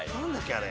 あれ。